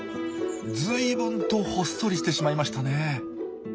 ずいぶんとほっそりしてしまいましたね。